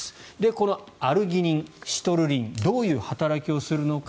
このアルギニン、シトルリンどういう働きをするのか。